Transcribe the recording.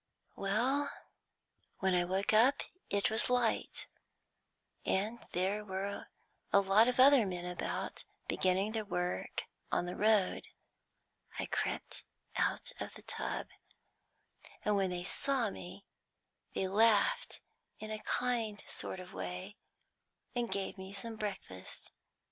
"Well, when I woke up, it was light, and there were a lot of other men about, beginning their work on the road. I crept out of the tub, and when they saw me, they laughed in a kind sort of way, and gave me some breakfast.